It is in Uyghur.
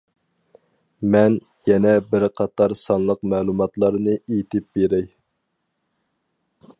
مەن يەنە بىر قاتار سانلىق مەلۇماتلارنى ئېيتىپ بېرەي.